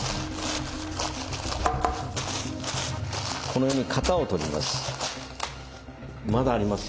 このように型を取ります。